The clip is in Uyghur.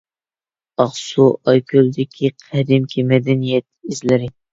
ئاقسۇ ئايكۆلدىكى قەدىمكى مەدەنىيەت ئىزلىرى.